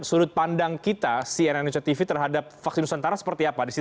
sudut pandang kita cnn indonesia tv terhadap vaksin nusantara seperti apa di situ